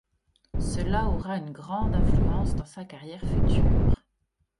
Cela aura une grande influence dans sa carrière future.